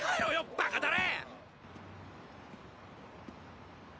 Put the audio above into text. バカたれ！